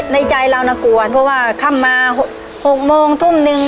ในใจเรานะกลัวเพราะว่าข้ามมา๖โมงทุ่มนึง